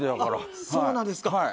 あっそうなんですか。